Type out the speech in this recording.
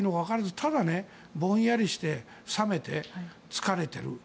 ただぼんやりして、冷めて疲れてる。